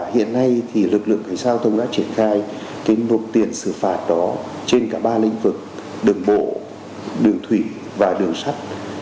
hiện nay thì lực lượng cảnh sát giao thông đã triển khai cái nộp tiền xử phạt đó trên cả ba lĩnh vực đường bộ đường thủy và đường sắt